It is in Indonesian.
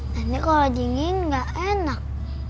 nanti kalau dingin gak enak